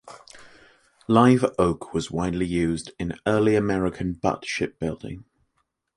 Live oak was widely used in early American butt shipbuilding.